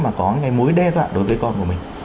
mà có cái mối đe dọa đối với con của mình